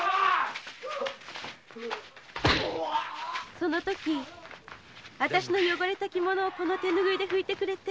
その時私の汚れた着物を手ぬぐいでふいてくれて。